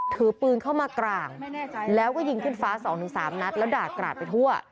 ถือปืนเข้ามากลางแล้วก็ยิงขึ้นฟ้า๒๓นัดแล้วด่ากราดไปทั่ว